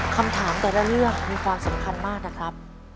คำถามแต่ละเรื่องมีความสำคัญมากนะครับ